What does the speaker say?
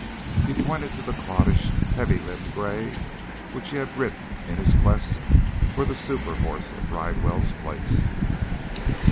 He pointed to the cloddish, heavy limbed gray which he had ridden in his quest for the superhorse at the Bridewell place.